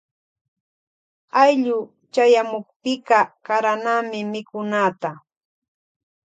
Ayllu chayamukpika karanami mikunata.